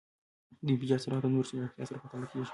د انفجار سرعت د نور د چټکتیا سره پرتله کېږی.